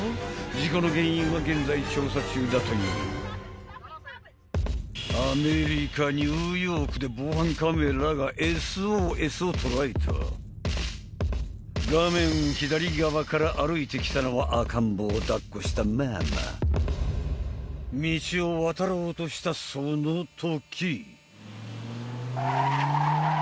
事故の原因は現在調査中だというアメリカ・ニューヨークで防犯カメラがＳＯＳを捉えた画面左側から歩いてきたのは赤ん坊をだっこしたママ道を渡ろうとしたその時！